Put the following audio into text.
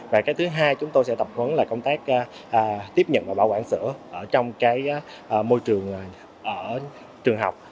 và cái thứ hai chúng tôi sẽ tập huấn là công tác tiếp nhận và bảo quản sữa trong cái môi trường ở trường học